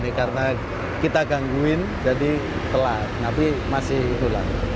nah ini karena kita gangguin jadi telat tapi masih yang itu lah